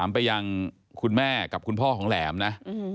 ไปยังคุณแม่กับคุณพ่อของแหลมนะ